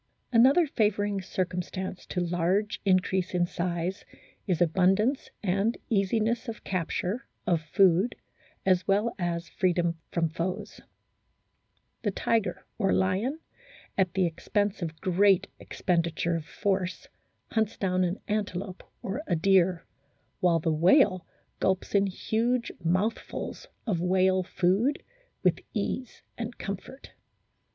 Another favouring circumstance to large increase in size is abundance, and easiness of capture, of food, as well as freedom from foes. The tiger or lion, at the expense of great expendi ture of force, hunts down an antelope or a deer, while the whale gulps in huge mouthfuls of "whale food' with ease and comfort.